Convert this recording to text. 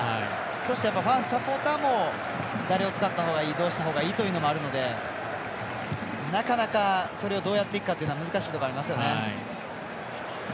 そして、サポーターも誰を使ったほうがいいどうしたほうがいいというのもあるのでなかなかそれをどうやっていくかは難しいところありますよね。